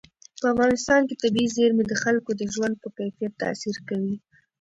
په افغانستان کې طبیعي زیرمې د خلکو د ژوند په کیفیت تاثیر کوي.